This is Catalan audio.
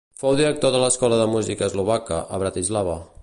Fou director de l'Escola de Música Eslovaca, a Bratislava.